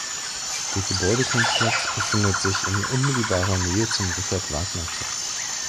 Der Gebäudekomplex befindet sich in unmittelbarer Nähe zum Richard-Wagner-Platz.